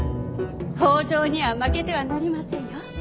北条には負けてはなりませんよ。